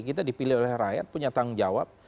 kita dipilih oleh rakyat punya tanggung jawab